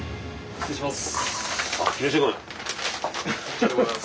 失礼します！